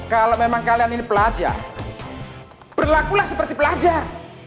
kalau memang kalian ini pelajar berlakulah seperti pelajar